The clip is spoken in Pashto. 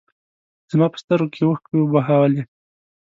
زما په سترګو کې اوښکې وبهولې.